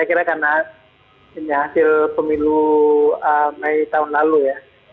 saya kira karena ini hasil pemilu mei tahun lalu ya